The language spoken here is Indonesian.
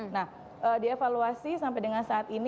nah dievaluasi sampai dengan saat ini